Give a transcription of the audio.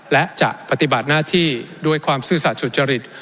และจะปฏิบัติหน้าที่ด้วยความซื่อสัตว์สุจริต